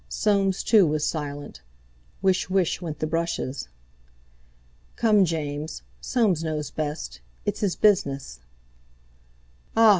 Soames, too, was silent. Whish whish went the brushes. "Come, James! Soames knows best. It's his business." "Ah!"